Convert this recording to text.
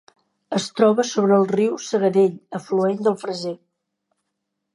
Es troba sobre el riu Segadell, afluent del Freser.